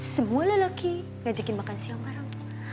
semua lelaki ngajakin makan siang bareng